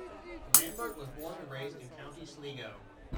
Lambert was born and raised in County Sligo.